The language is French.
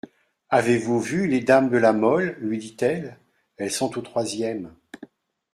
Avez-vous vu les dames de La Mole, lui dit-elle, elles sont aux troisièmes.